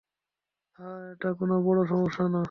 আহা, এটা কোনো বড়ো সমস্যা না।